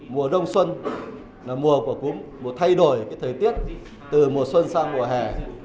mùa đông xuân là mùa của cúm mùa thay đổi cái thời tiết từ mùa xuân sang mùa hè